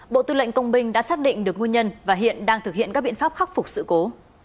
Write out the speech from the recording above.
bộ tư lệnh công binh đã xác định được nguyên nhân và hiện đang thực hiện các biện pháp khắc phục sự cố